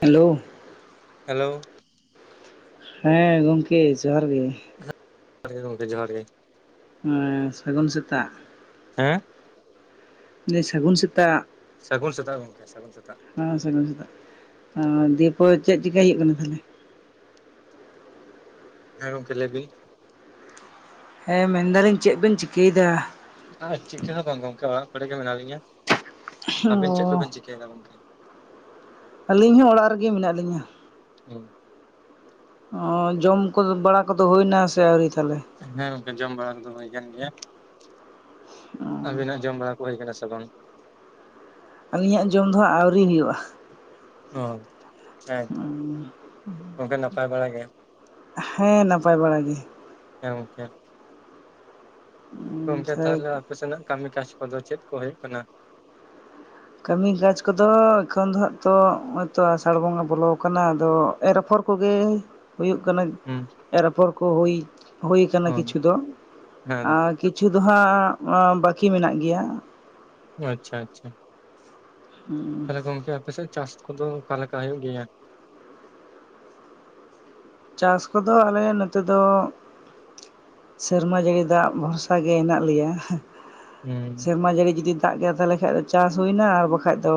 Hello hello ᱦᱮᱸ ᱜᱚᱢᱠᱮ ᱡᱚᱦᱟᱨ ᱜᱮ ᱡᱚᱦᱟᱨ ᱜᱮ ᱜᱚᱢᱠᱮ ᱡᱚᱦᱟᱨ ᱜᱮ ᱟᱹᱻ ᱥᱟᱹᱜᱩᱱ ᱥᱮᱛᱟᱜ ᱦᱮᱸᱻ ᱢᱟᱱᱮ ᱥᱟᱹᱜᱩᱱ ᱥᱮᱛᱟᱜ ᱥᱟᱹᱜᱩᱱ ᱥᱮᱛᱟᱜ ᱜᱚᱢᱠᱮ ᱥᱟᱹᱜᱩᱱ ᱥᱮᱛᱟᱜ ᱦᱮᱸ ᱥᱟᱹᱜᱩᱱ ᱥᱮᱛᱟᱜ ᱫᱤᱭᱮᱯᱚᱨ ᱪᱮᱫ ᱪᱮᱤᱠᱟᱹᱭ ᱦᱩᱭᱩᱜᱜ ᱠᱟᱱᱟ ᱛᱟᱦᱚᱞᱮ ᱦᱮᱸ ᱜᱚᱝᱠᱮ ᱞᱟᱹᱭ ᱵᱤᱱ ᱦᱮᱸ ᱢᱮᱱᱫᱟᱞᱤᱧ ᱪᱮᱫ ᱵᱤᱱ ᱪᱤᱠᱟᱹᱭᱮᱫᱟ? ᱟᱨ ᱪᱤᱠᱟᱹ ᱦᱚᱸ ᱵᱟᱝ ᱜᱚᱝᱠᱮ ᱚᱲᱟᱜ ᱠᱚᱨᱮ ᱜᱮ ᱢᱮᱱᱟᱜ ᱞᱤᱧᱟᱹ ᱟᱵᱤᱱ ᱪᱮᱫ ᱚ ᱠᱚᱵᱮᱱ ᱪᱤᱠᱟᱹᱭ ᱫᱟ ᱜᱚᱝᱠᱮ ᱟᱹᱞᱤᱧ ᱦᱚᱸ ᱚᱲᱟᱜ ᱨᱮᱜᱮ ᱢᱮᱱᱟᱜ ᱞᱤᱧ ᱟ ᱦᱩᱸ ᱚᱸ ᱡᱚᱢ ᱠᱚᱫᱚ ᱵᱟᱲᱟ ᱠᱚᱫᱚ ᱦᱩᱭᱮᱱᱟ ᱥᱮ ᱟᱹᱣᱨᱤ ᱛᱟᱦᱚᱞᱮ ᱦᱮᱸ ᱜᱚᱝᱠᱮ ᱡᱚᱢ ᱵᱟᱲᱟ ᱠᱚᱫᱚ ᱦᱩᱭ ᱠᱟᱱ ᱜᱮᱭᱟ ᱟᱵᱤᱱᱟᱜ ᱡᱚᱢ ᱵᱟᱲᱟ ᱦᱩᱭ ᱠᱟᱱᱟ ᱥᱮ ᱵᱟᱝ ᱟᱹᱞᱤᱧᱟᱜ ᱡᱚᱢ ᱫᱚ ᱦᱟᱸᱜ ᱟᱹᱣᱨᱤ ᱦᱩᱭᱩᱜᱼᱟ ᱚᱸ ᱦᱮᱸ ᱛᱚ ᱜᱚᱸᱠᱮ ᱱᱟᱯᱟᱭ ᱵᱟᱲᱟ ᱜᱮ ᱦᱮᱸ ᱱᱟᱯᱟᱭ ᱵᱟᱲᱟ ᱜᱮ ᱦᱮᱸ ᱜᱚᱝᱠᱮ ᱜᱚᱢᱠᱮ ᱛᱟᱦᱚᱞᱮ ᱟᱯᱮ ᱥᱮᱱᱟᱜ ᱠᱟᱹᱢᱤ ᱠᱟᱡᱽ ᱠᱚᱫᱚ ᱪᱮᱫ ᱠᱚ ᱦᱩᱭᱩᱜ ᱠᱟᱱᱟ ᱠᱟᱹᱢᱤ ᱠᱟᱡᱽ ᱠᱚᱫᱚ ᱮᱠᱷᱚᱱ ᱫᱚ ᱦᱟᱜ ᱛᱚ ᱱᱚᱜᱚᱭ ᱛᱚ ᱟᱥᱟᱲ ᱵᱚᱸᱜᱟ ᱵᱚᱞᱚ ᱠᱟᱱᱟ ᱟᱫᱚ ᱮᱨ ᱚᱯᱷᱚᱲ ᱠᱚᱜᱮ ᱦᱩᱭᱩᱜ ᱠᱟᱱᱟ ᱦᱩᱸ ᱮᱨ ᱟᱯᱚᱨ ᱠᱚ ᱦᱩᱭ ᱦᱩᱭᱩ ᱠᱟᱱᱟ ᱚ ᱠᱤᱪᱷᱩ ᱫᱚ ᱦᱮᱸ ᱟᱫ ᱠᱤᱪᱷᱩ ᱫᱚ ᱦᱟᱸᱜ ᱦᱟᱸ ᱵᱟᱹᱠᱤ ᱢᱮᱱᱟᱜ ᱜᱮᱭᱟ ᱳ ᱟᱪᱷᱟ ᱟᱪᱷᱟ ᱛᱟᱦᱚᱞᱮ ᱜᱚᱝᱠᱮ ᱟᱯᱮᱥᱮᱫ ᱪᱟᱥ ᱠᱚᱫᱚ ᱚᱠᱟ ᱞᱮᱠᱟ ᱦᱩᱭᱩᱜ ᱜᱮᱭᱟ ᱪᱟᱥ ᱠᱚᱫᱚ ᱟᱞᱮ ᱱᱚᱛᱮ ᱫᱚ ᱥᱮᱨᱢᱟ ᱡᱟᱹᱲᱤ ᱫᱟᱜ ᱵᱷᱚᱨᱥᱟ ᱜᱮ ᱦᱮᱱᱟᱜ ᱞᱮᱭᱟ ᱦᱩᱸ ᱥᱮᱨᱢᱟ ᱡᱟᱹᱲᱤ ᱡᱩᱫᱤ ᱫᱟᱜ ᱠᱮᱜᱟ ᱛᱟᱦᱚᱞᱮ ᱠᱷᱟᱱ ᱫᱚ ᱪᱟᱥ ᱦᱩᱭᱱᱟ ᱟᱨ ᱵᱟᱠᱷᱟᱡ ᱫᱚ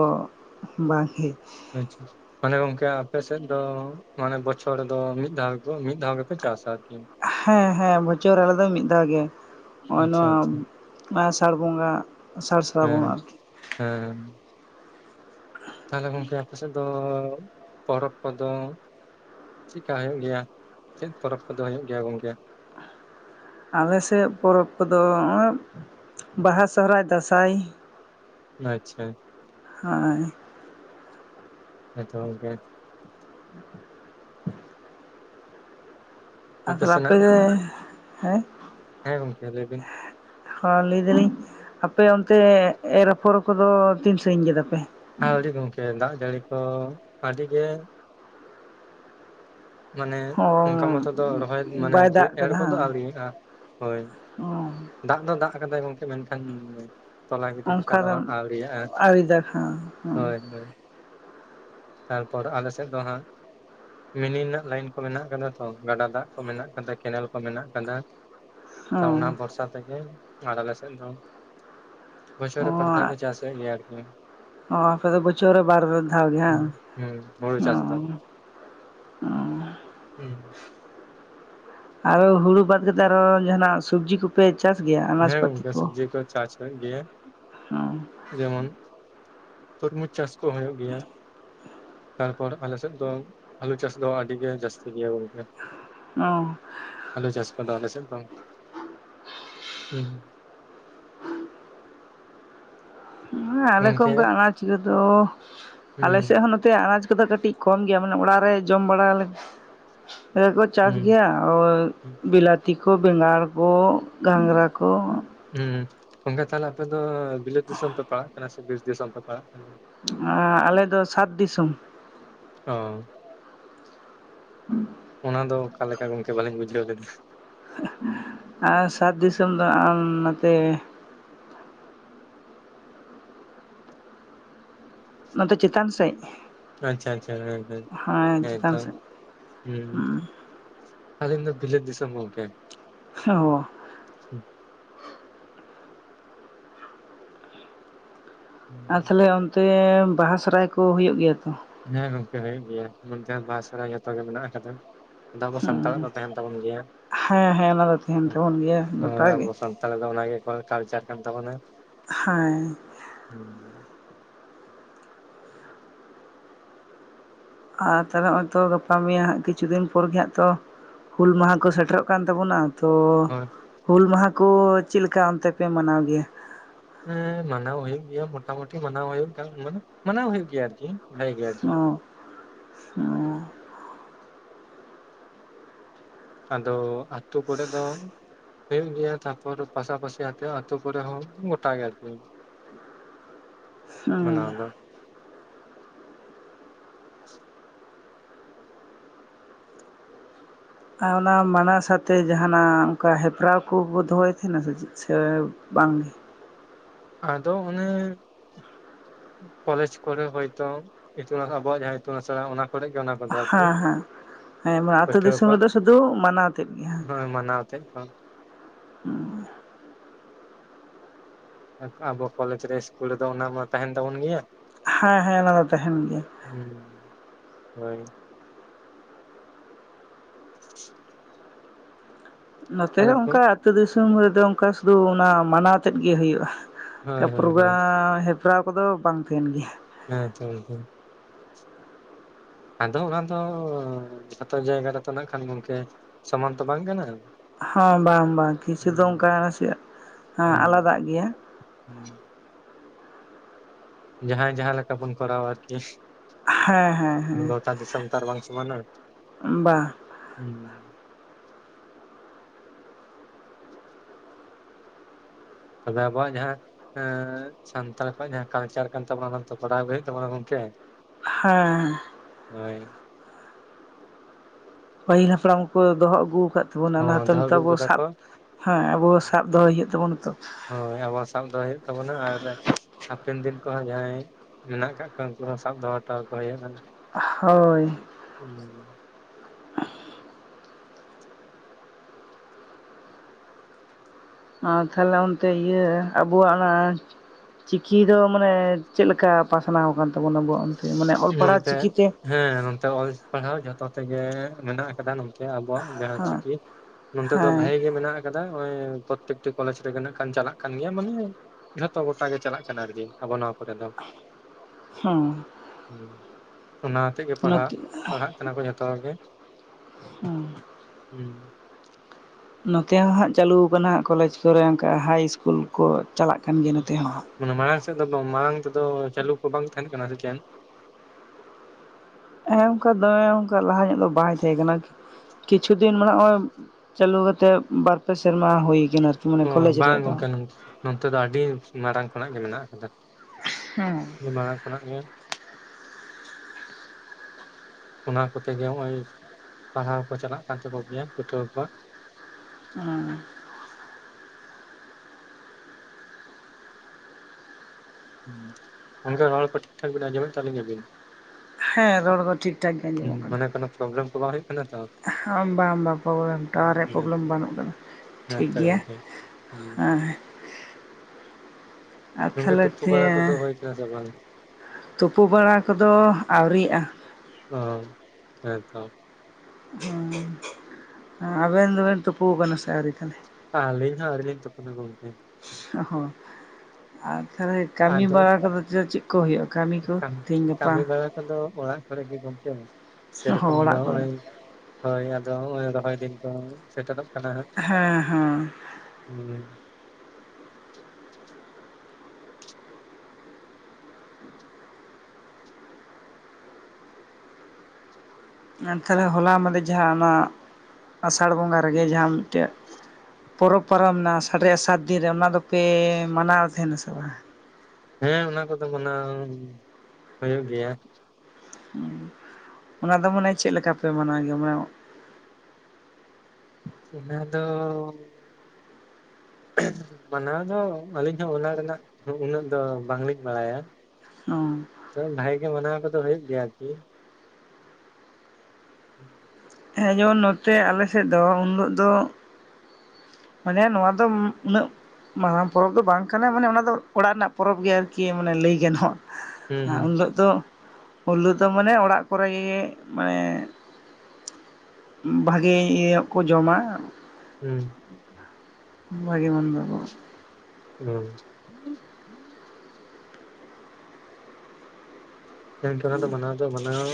ᱵᱟᱝ ᱜᱮ। ᱟᱪᱪᱷᱟ। ᱢᱟᱱᱮ ᱜᱚᱝᱠᱮ ᱟᱯᱮᱥᱮᱫ ᱫᱚ ᱢᱟᱱᱮ ᱵᱚᱪᱷᱚᱨ ᱨᱮᱫᱚ ᱢᱤᱫ ᱫᱷᱟᱣ ᱜᱮᱠᱚ ᱢᱤᱫ ᱫᱷᱟᱣ ᱜᱮᱯᱮ ᱪᱟᱥᱟ ᱟᱨᱠᱤ? ᱦᱮᱸ ᱦᱮᱸ ᱢᱩᱪᱟᱹᱜ ᱨᱮ ᱟᱞᱮ ᱫᱚ ᱢᱤᱫ ᱫᱷᱟᱣ ᱜᱮ। ᱱᱚᱜᱼᱚᱭ ᱟᱪᱪᱷᱟ ᱟᱪᱪᱷᱟ ᱱᱚᱣᱟ ᱟᱥᱟᱲ ᱵᱚᱸᱜᱟ ᱟᱥᱟᱲ ᱥᱨᱟᱵᱚᱱ ᱦᱮᱸ ᱟᱨᱠᱤ। ᱦᱮᱸ ᱛᱟᱦᱚᱞᱮ ᱜᱚᱝᱠᱮ ᱟᱯᱮ ᱥᱮᱫ ᱫᱚ ᱯᱚᱨᱚᱵᱽ ᱠᱚᱫᱚ ᱪᱮᱠ ᱠᱟ ᱦᱩᱭᱩᱜ ᱜᱮᱭᱟ ᱪᱮᱫ ᱯᱚᱨᱚᱵᱽ ᱠᱚ ᱫᱚᱦᱚ ᱦᱩᱭᱩᱜ ᱜᱮᱭᱟ ᱜᱚᱝᱠᱮ। ᱟᱞᱮᱥᱮᱫ ᱯᱚᱨᱚᱵᱽ ᱠᱚᱫᱚ ᱦᱚᱜᱚᱭ ᱵᱟᱦᱟ, ᱥᱚᱦᱚᱨᱟᱭ, ᱫᱟᱸᱥᱟᱭ। ᱟᱪᱪᱷᱟ। ᱦᱟᱭ। ᱦᱮᱸ ᱛᱚ ᱜᱚᱝᱠᱮ ᱮᱱᱠᱷᱟᱱ ᱟᱯᱮ ᱜᱮ ᱦᱮᱸ ᱦᱮᱸ ᱜᱚᱝᱠᱮ ᱞᱟᱹᱭ ᱵᱤᱱ ᱦᱚᱸ ᱞᱟᱹᱭ ᱫᱟᱞᱤᱧ ᱟᱯᱮ ᱚᱱᱛᱮ ᱮᱨ ᱟᱯᱷᱚᱨ ᱠᱚᱫᱚ ᱛᱤᱱ ᱥᱟᱸᱜᱤᱧ ᱠᱮᱫᱟ ᱯᱮ? ᱟᱣᱨᱤ ᱜᱚᱝᱠᱮ ᱫᱟᱜ ᱡᱟᱹᱲᱤ ᱠᱚ ᱟᱹᱰᱤ ᱜᱮ ᱢᱟᱱᱮ ᱚ ᱚᱱᱠᱟ ᱢᱚᱛᱚ ᱫᱚ ᱨᱚᱦᱚᱭ ᱢᱟᱱᱮ ᱵᱟᱭ ᱡᱮᱣᱮᱫ ᱫᱟᱜ ᱮᱨ ᱠᱚᱫᱚ ᱠᱟᱫᱟ ᱟᱹᱣᱨᱤᱭᱟᱜᱼᱟ। ᱦᱳᱭ ᱚ ᱫᱟᱜ ᱫᱚ ᱫᱟᱜ ᱟᱠᱟᱫᱟᱭ ᱜᱚᱢᱠᱮ ᱢᱮᱱᱠᱷᱟᱱ ᱛᱚᱞᱟ ᱜᱤᱰᱤ ᱞᱮᱠᱟ ᱫᱚ ᱦᱟᱸᱜ ᱟᱹᱣᱨᱤᱭᱟᱜᱼᱟ ᱟᱹᱣᱨᱤ ᱫᱟᱜ ᱦᱟᱸ ᱦᱚᱸ ᱦᱳᱭ ᱦᱳᱭ। ᱛᱟᱨᱯᱚᱨ ᱟᱞᱮᱥᱮᱫ ᱫᱚ ᱦᱟᱸᱜ ᱢᱤᱱᱤ ᱨᱮᱱᱟᱜ ᱞᱟᱭᱤᱱ ᱠᱚ ᱢᱮᱱᱟᱜ ᱠᱟᱫᱟ ᱛᱚ, ᱜᱟᱰᱟ ᱫᱟᱜ ᱠᱚ ᱢᱮᱱᱟᱜ ᱠᱟᱫᱟ, ᱠᱮᱱᱮᱞ ᱠᱚ ᱢᱮᱱᱟᱜ ᱠᱟᱫᱟ, ᱦᱚᱸ ᱚᱱᱟ ᱵᱷᱚᱨᱚᱥᱟ ᱚᱱᱠᱟ ᱛᱮ ᱜᱮ ᱟᱨ ᱞᱮᱥᱮᱫ ᱫᱚ ᱵᱚᱪᱷᱚᱨ ᱚ ᱨᱮ ᱵᱟᱨᱫᱷᱟᱣ ᱜᱮ ᱪᱟᱥ ᱦᱩᱭᱩᱜ ᱜᱮᱭᱟ ᱟᱨᱠᱤ। ᱚ ᱟᱯᱮ ᱫᱚ ᱵᱚᱪᱷᱚᱨ ᱨᱮ ᱵᱟᱨ ᱵᱮᱫ ᱫᱷᱟᱣ ᱜᱮ ᱦᱩᱸ ᱦᱟᱝ ᱦᱩᱸ ᱦᱩᱲᱩ ᱪᱟᱥ ᱫᱚ ᱚᱸ ᱚᱸ। ᱦᱩᱸ ᱟᱨ ᱦᱚᱸ ᱦᱩᱲᱩ ᱵᱟᱫ ᱠᱟᱛᱮᱫ ᱟᱨᱦᱚᱸ ᱡᱟᱦᱟᱱᱟᱜ ᱥᱚᱵᱽᱡᱤ ᱠᱚᱯᱮ ᱪᱟᱥ ᱜᱮᱭᱟ ᱟᱱᱟᱡᱽ ᱦᱮᱸ ᱯᱟᱹᱛᱤ ᱠᱚ? [unintelligible] ᱪᱟᱥ ᱦᱩᱭᱩᱜ ᱜᱮᱭᱟ। ᱚ ᱡᱮᱢᱚᱱ ᱛᱩᱨᱢᱩᱡᱽ ᱪᱟᱥ ᱠᱚ ᱦᱩᱭᱩᱜ ᱜᱮᱭᱟ ᱛᱟᱨ ᱯᱚᱨ ᱟᱞᱮᱥᱮᱫ ᱫᱚ ᱟᱹᱞᱩ ᱪᱟᱥ ᱫᱚ ᱟᱹᱰᱤ ᱜᱮ ᱡᱟᱹᱥᱛᱤ ᱜᱮᱭᱟ ᱜᱚᱝᱠᱮ। ᱚᱸ ᱟᱞᱩ ᱪᱟᱥ ᱠᱚᱫᱚ ᱟᱞᱮ ᱥᱮ ᱫᱚ। ᱦᱩᱢ। ᱦᱮᱸ ᱟᱞᱮ ᱠᱚ ᱜᱚᱝᱠᱮ ᱚᱱᱠᱟ ᱟᱱᱟᱡᱽ ᱠᱚ ᱫᱚ ᱟᱞᱮᱥᱮᱫ ᱦᱩᱸ ᱦᱚᱸ ᱱᱚᱛᱮ ᱟᱱᱟᱡᱽ ᱠᱚᱫᱚ ᱠᱟᱹᱴᱤᱡ ᱠᱚᱢ ᱜᱮᱭᱟ ᱢᱟᱱᱮ ᱚᱲᱟᱜ ᱨᱮ ᱡᱚᱢ ᱵᱟᱲᱟ ᱞᱮ ᱮ ᱠᱚ ᱪᱟᱥ ᱦᱩᱸ ᱜᱮᱭᱟ ᱚ ᱵᱤᱞᱟᱹᱛᱤ। ᱛᱤ ᱠᱚ, ᱵᱮᱸᱜᱟᱲ ᱠᱚ, ᱜᱟᱝᱜᱨᱟ ᱠᱚ। ᱦᱮᱸ ᱜᱚᱝᱠᱮ ᱛᱟᱦᱚᱞᱮ ᱟᱯᱮ ᱫᱚ ᱵᱤᱞᱟᱹᱛ ᱫᱤᱥᱚᱢ ᱯᱮ ᱯᱟᱲᱟᱜ ᱠᱟᱱᱟ ᱥᱮ ᱵᱤᱨ ᱫᱤᱥᱚᱢ ᱯᱮ ᱯᱟᱲᱟᱜ ᱠᱟᱱᱟ? ᱟ ᱟᱞᱮ ᱫᱚ ᱥᱟᱛ ᱫᱤᱥᱚᱢ। ᱚ, ᱚᱱᱟ ᱫᱚ ᱚᱠᱟᱞᱮᱠᱟ ᱜᱚᱝᱠᱮ ᱵᱟᱹᱞᱤᱧ ᱵᱩᱡᱷᱟᱹᱣ ᱠᱮᱫᱟ? ᱟᱨ ᱥᱟᱛ ᱫᱤᱥᱚᱢ ᱫᱚ ᱟᱢ ᱱᱚᱛᱮ ᱱᱚᱛᱮ ᱪᱮᱛᱟᱱ ᱥᱮᱜ। ᱟᱪᱪᱷᱟ ᱟᱪᱪᱷᱟ ᱦᱮ, ᱸ ᱦᱮᱸ ᱪᱮᱛᱟᱱ ᱪᱚᱝ ᱥᱮᱫ ᱦᱩᱸ। ᱟᱞᱤᱧ ᱫᱚ ᱵᱤᱞᱟᱹᱛ ᱫᱤᱥᱚᱢ ᱜᱚᱝᱠᱮ। ᱚ ᱦᱮᱸ ᱟᱨ ᱛᱟᱦᱚᱞᱮ ᱚᱱᱛᱮ ᱵᱟᱦᱟ ᱥᱚᱦᱚᱨᱟᱭ ᱠᱚ ᱦᱩᱭᱩᱜ ᱜᱮᱭᱟ ᱛᱚ? ᱦᱮᱸ ᱜᱚᱝᱠᱮ ᱦᱩᱭᱩᱜ ᱜᱮᱭᱟ, ᱱᱚᱱᱛᱮ ᱵᱟᱦᱟ- ᱥᱚᱦᱚᱨᱟᱭ ᱡᱚᱛᱚ ᱜᱮ ᱢᱮᱱᱟᱜ ᱟᱠᱟᱫᱟ। ᱟᱫᱚ ᱟᱵᱚ ᱥᱟᱱᱛᱟᱲᱟᱜ ᱫᱚ ᱛᱟᱸᱦᱮᱱ ᱛᱟᱵᱚᱱ ᱜᱮᱭᱟ ᱦᱮᱸ ᱦᱮᱸ ᱚᱱᱟ ᱫᱚ ᱛᱟᱦᱮᱱ ᱛᱟᱵᱚᱱ ᱜᱮᱭᱟ ᱜᱚᱴᱟ ᱦᱚᱭ ᱜᱮ ᱟᱵᱚ ᱥᱟᱱᱛᱟᱲ ᱫᱚ ᱚᱱᱟᱜᱮ ᱠᱚᱞ ᱠᱟᱞᱪᱟᱨ ᱠᱟᱱ ᱛᱟᱵᱚᱱᱟ। ᱦᱮᱸ ᱦᱩᱸ ᱦᱩᱸ ᱟᱨ ᱛᱟᱦᱚᱞᱮ ᱱᱚᱜᱼᱚᱭ ᱛᱚ ᱜᱟᱯᱟᱼ ᱢᱮᱭᱟᱝ ᱦᱟᱸᱜ ᱠᱤᱪᱷᱩ ᱫᱤᱱ ᱯᱚᱨ ᱜᱮ ᱦᱟᱸᱜ ᱛᱚ ᱦᱩᱞ ᱢᱟᱦᱟ ᱠᱚ ᱥᱮᱴᱮᱨᱚᱜ ᱠᱟᱱ ᱛᱟᱵᱚᱱᱟ ᱛᱚ ᱦᱳᱭ ᱦᱩᱞ ᱢᱟᱦᱟ ᱠᱚ ᱪᱮᱫ ᱞᱮᱠᱟ ᱚᱱᱛᱮᱯᱮ ᱢᱟᱱᱟᱣ ᱜᱮᱭᱟ ᱦᱮᱸ ᱢᱟᱱᱟᱣ ᱦᱩᱭᱩᱜ ᱜᱮᱭᱟ ᱢᱚᱴᱟ ᱢᱩᱩᱴᱤ ᱢᱟᱱᱟᱣ ᱦᱩᱭᱩᱜ ᱠᱟᱱ ᱢᱟᱱᱮ ᱢᱟᱱᱟᱣ ᱦᱩᱭᱩᱜ ᱜᱮᱭᱟ ᱟᱨᱠᱤ ᱵᱷᱟᱜᱤ ᱜᱮ ᱟᱨᱠᱤ ᱚ ᱟᱫᱚ ᱟᱹᱛᱩ ᱠᱚᱨᱮ ᱫᱚ ᱦᱩᱭᱩᱜ ᱜᱮᱭᱟ ᱛᱟᱯᱚᱨ ᱯᱟᱥᱟᱯᱟᱥᱤ ᱟᱛᱮ ᱟᱹᱛᱩ ᱠᱚᱨᱮ ᱦᱚᱸ ᱜᱚᱴᱟ ᱜᱮ ᱟᱨᱠᱤ [unintelligible] ᱢᱟᱱᱟᱣ ᱦᱩᱸ ᱫᱚ ᱟᱨ ᱚᱱᱟ ᱢᱟᱱᱟ ᱥᱟᱣᱛᱮ ᱡᱟᱦᱟᱱᱟᱜ ᱚᱱᱠᱟ ᱦᱮᱯᱨᱟᱣ ᱠᱚᱠᱚ ᱫᱚᱦᱚᱭᱮᱫ ᱛᱟᱦᱮᱱᱟ ᱥᱮ ᱪᱮᱫ ᱥᱮ ᱵᱟᱝ ᱜᱮ ᱟᱫᱚ ᱚᱱᱮ ᱠᱚᱞᱮᱡᱽ ᱠᱚᱨᱮ ᱦᱚᱭᱛᱚ ᱤᱛᱩᱱ ᱟᱵᱩᱣᱟᱜ ᱡᱟᱸᱦᱟ ᱤᱛᱩᱱ ᱟᱥᱲᱟ ᱚᱱᱟ ᱠᱚᱨᱮᱜ ᱜᱮ ᱚᱱᱟ ᱵᱷᱟ ᱪ ᱦᱮᱸ ᱦᱮᱸ ᱦᱮᱸ ᱟᱹᱛᱩ ᱫᱤᱥᱚᱢ ᱯᱟᱹᱴᱷᱩᱣᱟᱹ ᱨᱮᱫᱚ ᱥᱩᱫᱷᱩ ᱢᱟᱱᱟᱣ ᱛᱮᱫ ᱠᱚᱣᱟᱜ ᱢᱟᱱᱟᱣ ᱛᱮ ᱠᱚ ᱚᱸ ᱚᱱᱠᱟ ᱟᱵᱚ ᱠᱚᱞᱮᱡᱽ ᱨᱮ ᱤᱥᱠᱩᱞ ᱨᱮᱫᱚ ᱚᱱᱟᱢᱟ ᱛᱟᱦᱮᱱ ᱛᱟᱵᱚᱱ ᱜᱮᱭᱟ ᱦᱮᱸ ᱦᱮᱸ ᱚᱱᱟ ᱫᱚ ᱛᱟᱦᱮᱱ ᱜᱮᱭᱟ ᱦᱮᱸ ᱦᱳᱭ [unintelligible] ᱱᱚᱛᱮ ᱛᱟᱦᱚᱞᱮ ᱠᱚ ᱚᱱᱠᱟ ᱟᱹᱛᱩ ᱫᱤᱥᱚᱢ ᱨᱮᱫᱚ ᱚᱱᱠᱟ ᱥᱩᱫᱷᱩ ᱚᱱᱟ ᱢᱟᱱᱟᱣᱛᱮᱫ ᱜᱮ‌ ᱦᱩᱭᱩᱜᱼᱟ ᱚᱱᱠᱟ ᱦᱳᱭ ᱦᱳᱭ ᱦᱳᱭ ᱯᱨᱳᱜᱟᱢ ᱦᱮᱯᱨᱟᱣ ᱠᱚᱫᱚ ᱵᱟᱝ ᱛᱟᱦᱮᱱ ᱜᱮᱭᱟ ᱦᱮᱸ ᱛᱚ ᱤᱱᱠᱟᱹ ᱟᱫᱚ ᱚᱱᱟ ᱫᱚ ᱡᱷᱚᱛᱚ ᱡᱟᱭᱜᱟ ᱨᱮᱛᱚ ᱱᱟᱜ ᱠᱷᱟᱱ ᱜᱚᱝᱠᱮ ᱥᱚᱢᱟᱱ ᱛᱚ ᱵᱟᱝ ᱠᱟᱱᱟ ᱦᱚᱸᱸ ᱵᱟᱝ ᱵᱟᱝ ᱠᱤᱪᱷᱩ ᱫᱚ ᱚᱱᱠᱟ ᱱᱟᱥᱮᱭᱟᱜ ᱟᱞᱟᱫᱟᱜ ᱜᱮᱭᱟ ᱦᱮᱸ ᱡᱟᱸᱦᱟᱭ ᱡᱟᱦᱟᱸ ᱞᱮᱠᱟ ᱵᱚᱱ ᱠᱚᱨᱟᱣᱟ ᱟᱨᱠᱤ ᱦᱮᱸ ᱦᱮᱸ ᱦᱮᱸ ᱜᱚᱴᱟ ᱫᱤᱥᱚᱢ ᱛᱚ ᱟᱨ ᱵᱟᱝ ᱥᱟᱢᱟᱱᱟ ᱦᱩ ᱵᱟᱝ ᱛᱚᱵᱮ ᱟᱵᱚᱣᱟᱜ ᱡᱟᱦᱟᱸ ᱦᱮ ᱥᱟᱱᱛᱟᱲ ᱠᱚᱣᱟᱜ ᱡᱟᱦᱟᱸ ᱠᱟᱞᱪᱟᱨ ᱠᱟᱱ ᱛᱟᱵᱚᱱᱟ ᱚᱱᱟ ᱛᱚ ᱛᱚᱲᱟᱣᱣᱜᱮ ᱦᱩᱭᱩᱜ ᱛᱟᱵᱚᱱᱟ ᱜᱚᱝᱠᱮ ᱦᱮᱸ ᱦᱳᱭ ᱯᱟᱹᱦᱤᱞ ᱦᱟᱯᱲᱟᱢ ᱠᱚ ᱫᱚᱦᱚ ᱟᱹᱜᱩ ᱟᱠᱟᱫ ᱛ ᱦᱚᱸ ᱚᱱᱟᱛᱮ ᱱᱚ ᱫᱚᱦᱚ ᱟᱹᱜᱩ ᱟᱵᱚ ᱠᱟᱫᱟ ᱥᱟᱵᱽ ᱠᱚ ᱦᱮᱸ ᱟᱵᱚ ᱥᱟᱵᱽ ᱫᱚᱦᱚᱭ ᱦᱩᱭᱩᱜ ᱛᱟᱵᱚᱱᱟ ᱛᱚ ᱦᱳᱭ ᱟᱵᱚ ᱥᱟᱵᱽ ᱫᱚᱦᱚᱭ ᱦᱩᱭᱩᱜ ᱛᱟᱵᱚᱱᱟ ᱟᱨ ᱦᱟᱯᱮᱱ ᱫᱤᱱ ᱠᱚᱦᱚᱸ ᱡᱟᱦᱟᱸᱭ ᱢᱮᱱᱟᱜ ᱠᱟᱜ ᱠᱚᱣᱟ ᱩᱱᱠᱩ ᱦᱚᱸ ᱥᱟᱵᱽ ᱫᱚᱦᱚ ᱦᱚᱴᱚᱣᱟᱠᱚ ᱦᱩᱭᱩᱜᱼᱟ᱾ ᱦᱳᱭ ᱦᱩᱸ ᱟᱨ ᱛᱟᱦᱚᱞᱮ ᱚᱱᱛᱮ ᱤᱭᱟᱹ ᱟᱵᱚᱣᱟᱜ ᱚᱱᱟ ᱪᱤᱠᱤ ᱫᱚ ᱢᱟᱱᱮ ᱪᱮᱫᱞᱮᱠᱟ ᱯᱟᱥᱱᱟᱣ ᱟᱠᱟᱱ ᱛᱟᱵᱚᱱᱟ ᱟᱵᱚᱣᱟᱜ ᱚᱱᱛᱮ ᱢᱟᱱᱮ ᱚᱞ ᱯᱟᱲᱦᱟᱣ ᱱᱚᱱᱛᱮ ᱪᱤᱠᱤ ᱛᱮ ᱦᱮᱸ ᱱᱚᱛᱮ ᱚᱞ ᱯᱟᱲᱦᱟᱣ ᱡᱷᱚᱛᱚ ᱛᱮᱜᱮ ᱢᱮᱱᱟᱜ ᱟᱠᱟᱫᱟ ᱱᱚ ᱟᱵᱚᱣᱟᱜ ᱡᱟᱦᱟᱸ ᱦᱮᱸ ᱪᱤᱠᱤ ᱱᱚᱛᱮ ᱫᱚ ᱦᱮᱸ ᱵᱷᱟᱜᱤ ᱜᱮ ᱢᱮᱱᱟᱜ ᱠᱟᱫᱟ ᱳᱭ ᱯᱨᱚᱛᱮᱠᱴᱤ ᱠᱚᱞᱮᱡᱽ ᱨᱮᱜᱮ ᱟᱱ ᱪᱟᱞᱟᱜ ᱠᱟᱱ ᱜᱮᱭᱟ ᱢᱟᱱᱮ ᱡᱷᱚᱛᱚ ᱜᱚᱴᱟᱜ ᱜᱮ ᱪᱟᱞᱟᱜ ᱠᱟᱱᱟ ᱟᱨᱠᱤᱱ ᱟᱵᱚ ᱱᱚᱣᱟ ᱠᱚᱨᱮ ᱫᱚ ᱦᱩᱸ ᱦᱮᱸ ᱚᱱᱟᱛᱮ ᱜᱮ ᱯᱟᱲᱦᱟᱜ ᱱᱚᱛᱮ ᱯᱟᱲᱦᱟᱜ ᱠᱟᱱᱟ ᱠᱚ ᱡᱚᱛᱚ ᱦᱚᱲ ᱜᱮ ᱦᱩᱸ ᱦᱩᱸ ᱱᱚᱛᱮ ᱦᱚᱸ ᱦᱟᱸᱜ ᱪᱟᱞᱩ ᱠᱟᱱᱟ ᱦᱟᱸᱜ ᱠᱚᱞᱮᱡᱽ ᱠᱚᱨᱮ ᱚᱱᱠᱟ ᱦᱟᱭ ᱤᱥᱠᱩᱞ ᱠᱚ ᱪᱟᱞᱟᱜ ᱠᱟᱱ ᱜᱮᱭᱟ ᱱᱚᱛᱮ ᱦᱚᱸ ᱢᱟᱲᱟᱝ ᱥᱮᱫ ᱫᱚ ᱢᱟᱲᱟᱝ ᱛᱮᱫᱚ ᱪᱟᱞᱩ ᱠᱚ ᱵᱟᱝ ᱛᱟᱸᱦᱮᱱ ᱠᱟᱱᱟ ᱥᱮ ᱪᱮᱫ? ᱦᱮᱸ ᱚᱱᱠᱟ ᱫᱚ ᱫᱚᱢᱮ ᱚᱱᱠᱟ ᱞᱟᱦᱟ ᱧᱚᱜ ᱫᱚ ᱵᱟᱭ ᱛᱟᱦᱮᱸ ᱠᱟᱱᱟ᱾ ᱠᱤᱪᱷᱩ ᱫᱤᱱ ᱢᱟ ᱱᱚᱜ ᱼᱚᱭ ᱪᱟᱞᱩ ᱠᱟᱛᱮ ᱵᱟᱨ ᱯᱮ ᱥᱮᱨᱢᱟ ᱦᱩᱭ ᱠᱟᱱᱟ ᱟᱨ ᱠᱤ ᱢᱟᱱᱮ ᱠᱚᱞᱮᱡᱽ ᱨᱮᱭᱟᱜ ᱫᱚ ᱱᱚᱛᱮ ᱫᱚ ᱟᱰᱤ ᱢᱟᱨᱟᱝ ᱠᱷᱚᱱᱟᱜ ᱜᱮ ᱢᱮᱱᱟᱜ ᱟᱠᱟᱫᱟ᱾ ᱦᱮᱸ ᱢᱟᱲᱟᱝ ᱠᱷᱚᱱᱟᱜ ᱜᱮ ᱚᱱᱟ ᱠᱚᱛᱮ ᱜᱮ ᱱᱚᱜ-ᱚᱭ ᱯᱟᱲᱦᱟᱣ ᱠᱚ ᱪᱟᱞᱟᱜ ᱠᱟᱱ ᱛᱟᱠᱚ ᱜᱮᱭᱟ ᱯᱟᱹᱴᱷᱩᱣᱟᱹ ᱠᱚᱣᱟᱜ᱾ ᱦᱩᱸ ᱜᱚᱝᱠᱮ ᱨᱚᱲ ᱠᱚ ᱴᱷᱤᱠ ᱴᱷᱟᱠ ᱵᱤᱱ ᱟᱸᱡᱚᱢᱮᱫ ᱛᱟᱞᱤᱧᱟ ᱵᱤᱱ? ᱦᱮᱸ ᱨᱚᱲ ᱫᱚ ᱴᱷᱤᱠ ᱴᱷᱟᱠ ᱜᱮ ᱟᱸᱧᱡᱚᱢᱚᱜ ᱠᱟᱱᱟ᱾ ᱢᱟᱱᱮ ᱠᱳᱱᱳ ᱯᱨᱚᱵᱞᱮᱢ ᱠᱚ ᱵᱟᱭ ᱦᱩᱭᱩᱜ ᱠᱟᱱᱟ ᱛᱚ ᱦᱟᱸ ᱵᱟᱝ ᱵᱟᱝ ᱯᱨᱚᱵᱞᱮᱢ ᱴᱟᱣᱟᱨ ᱨᱮᱭᱟᱜ ᱦᱮᱸ ᱯᱨᱚᱵᱞᱮᱢ ᱵᱟᱱᱩᱜ ᱠᱟᱫᱟ ᱴᱷᱤᱠ ᱛᱚ ᱜᱮᱭᱟ᱾ ᱜᱚᱝᱠᱮ ᱦᱟᱸ ᱜᱚᱝᱠᱮ ᱛᱩᱯᱩ ᱵᱟᱲᱟ ᱠᱚᱫᱚ ᱦᱩᱭ ᱠᱟᱱᱟ ᱥᱮ ᱵᱟᱝ? ᱛᱩᱯᱩ ᱵᱟᱲᱟ ᱠᱚᱫᱚ ᱟᱹᱣᱨᱤᱭᱟᱜᱼᱟ᱾ ᱚ ᱦᱮᱸᱛᱚ ᱟᱵᱮᱱ ᱫᱚ ᱵᱤᱱ ᱛᱩᱯᱩ ᱠᱟᱱᱟ ᱥᱮ ᱟᱣᱨᱤ ᱛᱟᱦᱞᱮ ᱟᱞᱤᱧ ᱦᱚᱸ ᱟᱹᱣᱨᱤᱞᱤᱧ ᱛᱩᱯᱩᱱᱟ ᱜᱚᱝᱠᱮ᱾ ᱚᱦᱚ ᱟᱨ ᱛᱟᱦᱞᱮ ᱟᱫᱚ ᱠᱚ ᱠᱟᱢᱤ ᱛᱮᱦᱤᱧ ᱜᱟᱯᱟ ᱠᱟᱢᱤ ᱵᱟᱲᱟ ᱠᱚ ᱫᱚ ᱚᱲᱟᱜ ᱠᱚᱨᱮ ᱜᱮ ᱜᱚᱝᱠᱮ? ᱥᱮ ᱚ ᱨᱚᱠᱚᱢ ᱫᱚ ᱚᱲᱟᱜ ᱠᱚᱨᱮ ᱦᱚᱸᱜ-ᱚᱭ ᱦᱚᱭ ᱟᱫᱚ ᱦᱚᱸᱜᱼᱚᱭ ᱨᱚᱦᱚᱭ ᱫᱤᱱ ᱠᱚ ᱥᱮᱴᱮᱨᱚᱜ ᱠᱟᱱᱟ ᱦᱟᱸᱜ ᱦᱮᱸ ᱦᱮᱸ ᱦᱩᱸ ᱦᱮ ᱸᱛᱟᱦᱚᱞᱮ ᱦᱚᱞᱟ ᱢᱟᱫᱮ ᱡᱟᱦᱟᱸ ᱚᱱᱟ ᱟᱥᱟᱲ ᱵᱚᱸᱜᱟ ᱨᱮᱜᱮ ᱡᱟᱦᱟᱸ ᱢᱤᱫᱴᱟᱜ ᱯᱚᱨᱚᱵᱽ ᱯᱟᱨᱟᱢ ᱱᱟ ᱥᱟᱲᱮ ᱥᱟᱛ ᱫᱤᱱ ᱨᱮ ᱚᱱᱟ ᱫᱚᱯᱮ ᱢᱟᱱᱟᱣ ᱛᱟᱸᱦᱮᱱᱟ ᱥᱮ ᱵᱟᱝ? ᱦᱮᱸ ᱚᱱᱟ ᱠᱚᱫᱚ ᱢᱟᱱᱟᱣ ᱦᱩᱭᱩᱜ ᱜᱮᱭᱟ᱾ ᱚᱱᱟ ᱫᱚ ᱢᱟᱱᱮ ᱪᱮᱜ ᱞᱮᱠᱟ ᱯᱮ ᱢᱟᱱᱟᱣ ᱜᱮᱭᱟ ᱢᱟᱱᱮ ᱤᱱᱟᱹ ᱫᱚ [inaudible] ᱢᱟᱱᱟᱣ ᱫᱚ ᱟᱞᱤᱧ ᱦᱚᱸ ᱚᱱᱟ ᱨᱮᱱᱟᱜ ᱩᱱᱟᱹᱜ ᱫᱚ ᱵᱟᱝᱞᱤᱧ ᱵᱟᱲᱟᱭᱟ ᱦᱩᱸ ᱵᱷᱟᱜᱤ ᱜᱮ ᱢᱟᱱᱟᱣ ᱠᱚᱫᱚ ᱦᱳᱭᱳᱜ ᱜᱮᱭᱟ ᱟᱨᱠᱤ [inaudible] ᱦᱮᱸ ᱡᱮᱢᱚᱱ ᱱᱚᱛᱮ ᱟᱞᱮᱥᱮᱫ ᱫᱚ ᱩᱱ ᱦᱤᱞᱳᱜ ᱫᱚ ᱢᱟᱱᱮ ᱱᱚᱣᱟ ᱫᱚ ᱩᱱᱟᱹᱜᱼᱼ ᱢᱟᱨᱟᱝ ᱯᱚᱨᱚᱵ ᱫᱚ ᱵᱟᱝ ᱠᱟᱱᱟ ᱢᱟᱱᱮ ᱚᱱᱟ ᱫᱚ ᱚᱲᱟᱜ ᱨᱮᱱᱟᱜ ᱯᱚᱨᱚᱵ ᱜᱮ ᱟᱨ ᱠᱤ ᱢᱟᱱᱮ ᱞᱟᱹᱭ ᱜᱟᱱᱚᱜᱼᱟ ᱦᱩᱸ ᱦᱩᱸ ᱩᱱᱦᱤᱞᱚᱜ ᱫᱚ ᱩᱱᱦᱤᱞᱚᱜ ᱫᱚ ᱢᱟᱱᱮ ᱚᱲᱟᱜ ᱠᱚᱨᱮ ᱜᱮ ᱢᱟᱱᱮ ᱵᱷᱟᱜᱮ ᱤᱭᱟ. ᱧᱚᱜ ᱠᱚ ᱡᱚᱢᱟ ᱦᱩᱸ ᱵᱷᱟᱜᱮ ᱢᱚᱱᱫᱚ ᱠᱚ ᱦᱩᱸ [inaudible] ᱚᱱᱟ ᱫᱚ ᱢᱟᱱᱟᱣ ᱫᱚ ᱢᱟᱱᱟᱣ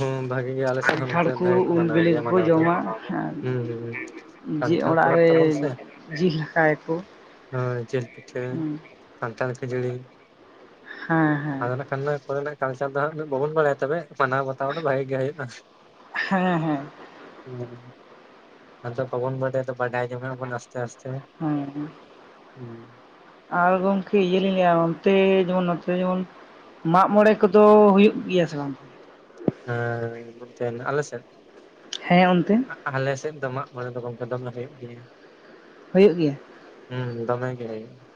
ᱦᱩᱸ ᱵᱷᱟᱜᱮ ᱜᱮ ᱟᱞᱮ ᱥᱮᱫ ᱦᱚᱸ ᱠᱟᱱᱴᱷᱟᱲ ᱱᱛᱮ ᱵᱷᱟᱜᱮ ᱠᱚ ᱩᱞ ᱢᱟᱱᱟᱣ ᱵᱤᱞᱤ ᱜᱮᱭᱟ ᱠᱚᱠᱚ ᱢᱟᱱᱟᱣ ᱫᱚ ᱡᱚᱢᱟ ᱟᱨ ᱦᱩᱸᱦᱩᱸᱦᱩᱸ ᱡᱮ ᱚᱲᱟᱜ ᱨᱮ ᱡᱤᱞ ᱦᱟᱛᱟᱣ ᱟᱠᱚ ᱦᱳᱭ ᱡᱮᱞ ᱯᱤᱴᱷᱟᱹ ᱠᱷᱟᱱᱴᱟᱲ ᱠᱷᱟᱹᱡᱟᱹᱲᱤ ᱦᱮᱸ ᱦᱮᱸ ᱟᱫᱚ ᱼᱼ ᱚᱱᱟ ᱠᱚᱨᱮᱱᱟᱜ ᱠᱟᱞᱪᱟᱨ ᱫᱚ ᱦᱟᱸᱜ ᱵᱟᱵᱚᱱ ᱵᱟᱲᱟᱭᱟ ᱛᱚᱵᱮ ᱢᱟᱱᱟᱣ ᱵᱟᱛ ᱛᱟᱣ ᱫᱚ ᱵᱷᱟᱜᱮ ᱜᱮ ᱦᱳᱭᱳᱜ-ᱟ ᱦᱮᱸ ᱦᱩᱸ ᱟᱫᱚ ᱵᱟᱵᱚᱱ ᱵᱟᱰᱟᱭ ᱫᱚ ᱵᱟᱰᱟᱭ ᱡᱚᱝ- ᱟ ᱵᱚᱱ ᱟᱥᱛᱮ ᱟᱥᱛᱮ ᱦᱩᱸᱦᱩᱸ ᱦᱩᱸ ᱟᱨ ᱜᱚᱝᱠᱮ ᱤᱭᱟᱹ ᱞᱤᱧ ᱞᱟ. ᱭᱟ ᱚᱱᱛᱮ ᱡᱮᱢᱚᱱ ᱱᱚᱛᱮ ᱡᱮᱢᱚᱱ ᱢᱟᱜ ᱢᱚᱬᱮ ᱠᱚᱫᱚ ᱦᱩᱭᱩᱜ ᱜᱤᱭᱟ ᱥᱮ ᱵᱟᱝ? ᱦᱮᱸ ᱱᱚᱛᱮᱱ ᱟᱞᱮ ᱥᱮᱱ ᱼᱼ ᱦᱮᱸ ᱚᱱᱛᱮ ᱼᱼ ᱟᱞᱮ ᱥᱮᱜ ᱫᱚ ᱢᱟᱜ ᱢᱚᱬᱮ ᱫᱚ ᱜᱚᱝᱠᱮ ᱫᱚᱢᱮ ᱦᱩᱭᱩᱜ ᱜᱮᱭᱟ ᱾ ᱦᱩᱭᱩᱜ ᱜᱤᱭᱟ ᱾ ᱦᱩᱸ ᱫᱚᱢᱮ ᱜᱮ ᱦᱩᱭᱩᱜ ᱼᱼ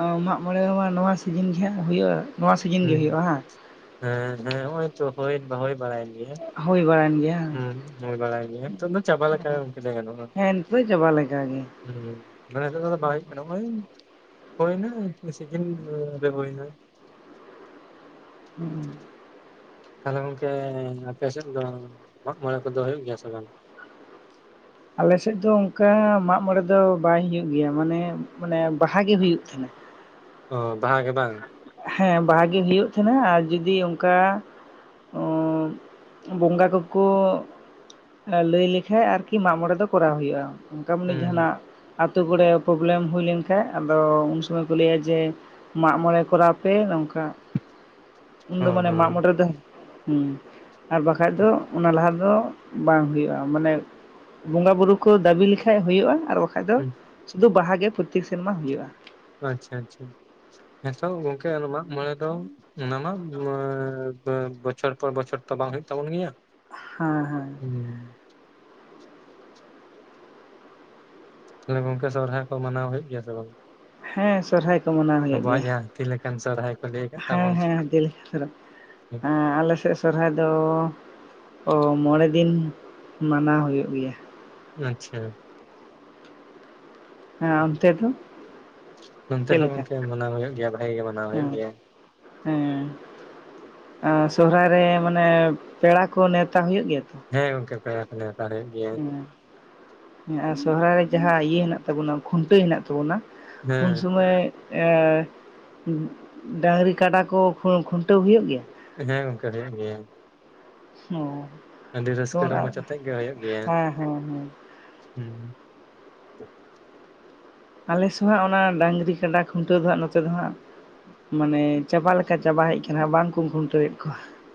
ᱚ ᱢᱟᱜ ᱢᱚᱬᱮ ᱢᱟ ᱱᱚᱣᱟ ᱥᱤᱡᱤᱱ ᱜᱮ ᱦᱟᱸᱜ ᱦᱩᱭᱩᱜᱼᱟ ᱾ ᱱᱚᱣᱟ ᱥᱤᱡᱤᱱ ᱜᱮ ᱦᱩᱸ ᱦᱩᱭᱩᱜᱼᱟ ᱦᱚᱸ ᱼᱼ ᱦᱮᱸ ᱦᱮᱸ ᱦᱚᱜ-ᱚᱭ ᱛᱚ ᱦᱳᱭ ᱦᱳᱭ ᱵᱟᱲᱟᱭᱮᱱ ᱜᱮᱭᱟ ᱾ ᱦᱳᱭ ᱵᱟᱲᱟᱭᱮᱱ ᱜᱮᱭᱟ ᱾ ᱦᱩ ᱦᱳᱭ ᱵᱟᱲᱟᱭᱮᱱ ᱜᱮᱭᱟ ᱛᱚᱵᱮ ᱪᱟᱵᱟ ᱞᱮᱠᱟᱜᱮ ᱜᱚᱢᱠᱮ ᱞᱮᱭ ᱜᱟᱱᱟᱜᱼᱟ ᱦᱮᱸ ᱱᱤᱛᱚᱜ ᱫᱚ ᱪᱟᱵᱟ ᱞᱮᱠᱟᱜᱮ ᱦᱩᱸ, ᱢᱟᱱᱮ ᱱᱤᱛᱚᱜ ᱫᱚ ᱵᱟᱭ ᱦᱩᱭᱩᱜ ᱠᱟᱱᱟ ᱱᱚᱜᱼᱚᱭᱼᱼ ᱦᱚᱭᱱᱟ ᱥᱤᱡᱤᱱ ᱨᱮ ᱦᱩᱭᱱᱟ ᱾ ᱦᱩᱸ ᱼᱼ ᱛᱟᱞᱦᱮ ᱜᱚᱝᱠᱮ ᱟᱯᱮ ᱥᱮᱜ ᱫᱚ ᱢᱟᱜ ᱢᱚᱬᱮ ᱠᱚᱫᱚ ᱦᱩᱭᱩᱜ ᱜᱮᱭᱟ ᱥᱮ ᱵᱟᱝ? ᱟᱞᱮᱥᱮᱫ ᱫᱚ ᱚᱝᱠᱟ ᱢᱟᱜ ᱢᱚᱬᱮ ᱫᱚ ᱵᱟᱭ ᱦᱩᱭᱩᱜ ᱜᱮᱭᱟ ᱢᱟᱱᱮ ᱢᱟᱱᱮ ᱵᱟᱦᱟ ᱜᱮ ᱦᱩᱭᱩᱜ ᱛᱟᱦᱮᱸᱱᱟ ᱾ ᱚ ᱵᱟᱦᱟ ᱜᱮ ᱵᱟᱝ? ᱦᱮᱸ ᱵᱟᱦᱟ ᱜᱤ ᱦᱤᱭᱩᱜ ᱛᱟᱦᱮᱸᱱᱟ ᱟᱨ ᱡᱩᱫᱤ ᱚᱝᱠᱟ ᱼᱼ ᱵᱚᱸᱜᱟ ᱠᱚᱠᱚ ᱞᱟᱹᱭ ᱞᱮᱠᱷᱟᱡ ᱟᱨᱠᱤ ᱢᱟᱜ ᱢᱚᱬᱮ ᱫᱚ ᱠᱚᱨᱟᱣ ᱦᱩᱭᱩᱜᱼᱟ ᱾ ᱚᱝᱠᱟ ᱢᱟᱱᱮ ᱦᱩᱸ ᱦᱩᱸ ᱡᱟᱦᱟᱱᱟᱜ ᱼᱼ ᱟᱛᱳ ᱠᱚᱨᱮ ᱯᱨᱚᱵᱞᱮᱢ ᱦᱩᱭ ᱞᱮᱱ ᱠᱷᱟᱡ ᱟᱫᱚ ᱩᱱ ᱥᱚᱢᱚᱭ ᱠᱚ ᱞᱟᱹᱭᱟ ᱡᱮ ᱢᱟᱜ ᱢᱚᱬᱮ ᱼᱼ ᱠᱚᱨᱟᱣ ᱯᱮ ᱚᱝᱠᱟ ᱚ ᱩᱱᱫᱚ ᱢᱟᱱᱮ ᱢᱟᱜ ᱦᱚᱸ ᱢᱚᱬᱮ ᱫᱚ ᱦᱩᱸ ᱼᱼ ᱟᱨ ᱵᱟᱠᱷᱟᱡ ᱫᱚ ᱚᱱᱟ ᱞᱟᱦᱟ ᱫᱚ ᱼᱼ ᱵᱟᱝ ᱦᱩᱭᱩᱜᱼᱟ ᱢᱟᱱᱮ ᱵᱚᱸᱜᱟ ᱵᱩᱨᱩ ᱠᱚ ᱫᱟᱹᱵᱤ ᱞᱮᱠᱷᱟᱡ ᱦᱩᱭᱩᱜᱼᱟ ᱟᱨ ᱵᱟᱠᱷᱟᱡ ᱫᱚ ᱦᱩᱸ ᱼᱼ ᱥᱩᱫᱷᱩ ᱵᱟᱦᱟ ᱜᱮ ᱯᱨᱚᱛᱤ ᱥᱮᱨᱢᱟ ᱦᱩᱭᱩ-ᱟ ᱾ ᱟᱪᱪᱷᱟ ᱟᱪᱪᱷᱟ ᱦᱮᱸᱛᱚ ᱜᱚᱝᱠᱮ ᱟᱨ ᱢᱟᱜ ᱢᱚᱬᱮ ᱫᱚ ᱼᱼ ᱚᱱᱟ ᱢᱟ ᱵᱚᱪᱷᱚᱨ ᱯᱚᱨ ᱵᱚᱪᱷᱚᱨ ᱛᱚ ᱵᱟᱝ ᱦᱳᱭᱳᱜ ᱛᱟᱵᱚᱱ ᱜᱮᱭᱟ ᱾ ᱦᱮᱸ ᱦᱮᱸ ᱾ ᱦᱩᱸ ᱼᱼ ᱛᱟᱞᱮ ᱜᱚᱝᱠᱮ ᱥᱚᱨᱦᱟᱭ ᱠᱚ ᱢᱟᱱᱟᱣ ᱦᱩᱭᱩᱜ ᱜᱮᱭᱟ ᱥᱮ ᱵᱟᱝ? ᱦᱮᱸ ᱥᱚᱨᱦᱟᱭ ᱠᱚ ᱢᱟᱱᱟᱣ ᱦᱩᱭᱩᱜ ᱟᱵᱚᱣᱟᱜ ᱜᱮᱭᱟ ᱡᱟᱦᱟᱸ ᱦᱟᱹᱛᱤ ᱞᱮᱠᱟᱱ ᱥᱚᱨᱦᱟᱭ ᱠᱚ ᱞᱟᱹᱭ ᱟᱠᱟᱫ ᱦᱮᱸ ᱛᱟᱵᱚᱱ ᱦᱮᱸ ᱦᱟᱹᱛᱤ ᱼᱼ ᱦᱮᱸ ᱟᱞᱮ ᱥᱮᱜ ᱥᱚᱨᱦᱟᱭ ᱫᱚ ᱼᱼ ᱚ ᱢᱚᱬᱮ ᱫᱤᱱ ᱢᱟᱱᱟᱣ ᱦᱩᱭᱩᱜ ᱜᱮᱭᱟ ᱾ ᱟᱪᱪᱷᱟ ᱾ ᱦᱮᱸ ᱚᱱᱛᱮ ᱫᱚ ᱱᱚᱱᱛᱮ ᱪᱮᱜ ᱦᱚᱸ ᱞᱮᱠᱟ ᱜᱚᱝᱠᱮ ᱢᱟᱱᱟᱣ ᱦᱩᱭᱩᱜ ᱜᱮᱭᱟ ᱵᱷᱟᱜᱮ ᱜᱮ ᱢᱟᱱᱟᱣ ᱦᱩᱭᱩᱜ ᱦᱮᱸ ᱜᱮᱭᱟ ᱼᱼ ᱦᱮᱸ ᱼᱼ ᱥᱚᱦᱚᱨᱟᱭ ᱨᱮ ᱢᱟᱱᱮ ᱯᱮᱲᱟ ᱠᱚ ᱱᱮᱣᱛᱟ ᱦᱩᱭᱩᱜ ᱜᱮᱭᱟ ᱛᱚ? ᱦᱮᱸ ᱜᱚᱝᱠᱮ ᱯᱮᱲᱟ ᱱᱮᱣᱛᱟ ᱦᱩᱭᱩᱜ ᱼᱼ ᱦᱮᱸ ᱟᱨ ᱥᱚᱦᱚᱨᱟᱭ ᱨᱮ ᱡᱟᱸᱦᱟ ᱤᱭᱟᱹ ᱦᱮᱱᱟᱜ ᱛᱟᱵᱚᱱᱟ ᱠᱷᱩᱱᱴᱟᱹ ᱦᱮᱱᱟᱜ ᱛᱟᱵᱚᱱᱟ ᱩᱱ ᱦᱮᱸ ᱥᱟᱢᱚᱭ ᱮ ᱰᱟᱺᱝᱨᱤ ᱠᱟᱰᱟ ᱠᱚ ᱠᱷᱩᱱᱴᱟᱹᱣ ᱦᱩᱭᱩᱜ ᱜᱮᱭᱟ? ᱦᱮᱸ ᱜᱚᱝᱠᱮ ᱦᱩᱭᱩᱜ ᱜᱮᱭᱟ ᱾ ᱚᱸ ᱟᱹᱰᱤ ᱨᱟᱹᱥᱠᱟᱹ ᱨᱚᱢᱡᱽ ᱟᱛᱮᱜ ᱜᱮ ᱦᱩᱭᱩᱜ ᱜᱮᱭᱟ ᱦᱮᱸ ᱦᱮᱸ ᱦᱮᱸ ᱦᱩᱸ ᱾ ᱟᱞᱮ ᱥᱩᱦᱟᱸᱜ ᱚᱱᱟ ᱰᱟᱺᱝᱨᱤ ᱠᱟᱰᱟ ᱠᱷᱩᱱᱴᱟᱹᱣ ᱫᱚ ᱦᱟᱸᱜ ᱱᱚᱛᱮ ᱫᱚ ᱦᱟᱸᱜ ᱼᱼ ᱢᱟᱱᱮ ᱪᱟᱵᱟ ᱞᱮᱠᱟ ᱪᱟᱵᱟ ᱦᱮᱡ ᱠᱟᱱᱟ ᱵᱟᱝ ᱠᱩ ᱠᱷᱩᱱᱴᱟᱹᱣᱮᱫ ᱠᱚᱣᱟ ᱾